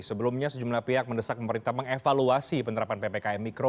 sebelumnya sejumlah pihak mendesak pemerintah mengevaluasi penerapan ppkm mikro